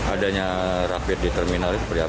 adanya rapid di terminal ini seperti apa kan